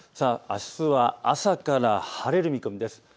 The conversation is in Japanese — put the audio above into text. あすは朝から晴れる見込みです。